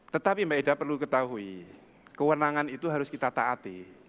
tetapi maeda perlu ketahui kewenangan itu harus kita taati